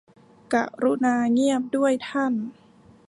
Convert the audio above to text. กรุณาเงียบด้วยท่าน